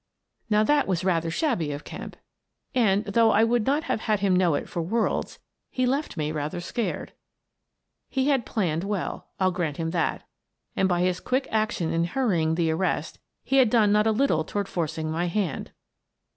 Now, that was rather shabby of Kemp, and, though I would not have had him know it for worlds, he left me rather scared. He had planned well — I'll grant him that — and, by his quick ac tion in hurrying the arrest, he had done not a little toward forcing my hand.